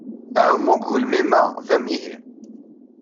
Aɛumu deg ugelmim-a d amihi.